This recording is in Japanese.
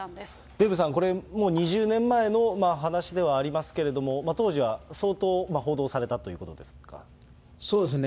デーブさん、これ、もう２０年前の話ではありますけれども、当時は相当報道されたとそうですね。